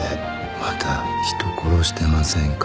また人殺してませんか？